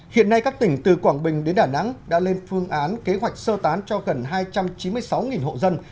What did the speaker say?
hiện nay các tỉnh từ quảng bình đến đà nẵng đã lên phương án kế hoạch sơ tán cho gần hai trăm chín mươi sáu hộ dân